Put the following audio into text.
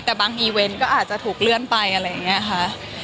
แต่บางอีเวนต์ก็อาจจะถูกเลื่อนไปอะไรอย่างนี้ค่ะ